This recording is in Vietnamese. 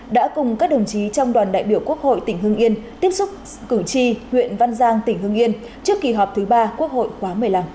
đã cùng các đồng chí trong đoàn đại biểu quốc hội tỉnh hưng yên tiếp xúc cử tri huyện văn giang tỉnh hương yên trước kỳ họp thứ ba quốc hội khóa một mươi năm